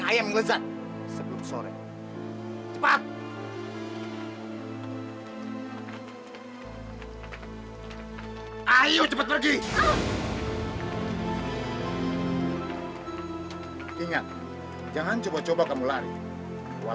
aku ingin berjaya